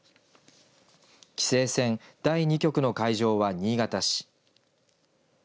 棋聖戦、第２局の会場は新潟市。